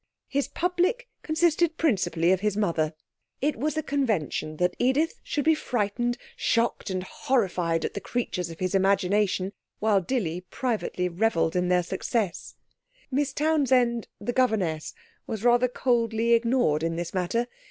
His public consisted principally of his mother. It was a convention that Edith should be frightened, shocked and horrified at the creatures of his imagination, while Dilly privately revelled in their success. Miss Townsend, the governess, was rather coldly ignored in this matter.